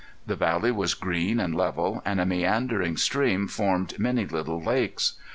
The valley was green and level, and a meandering stream formed many little lakes.